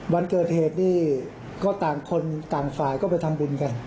วันเกิดเหตุนี่ก็ต่างคนต่างฝ่ายก็ไปทำบุญกัน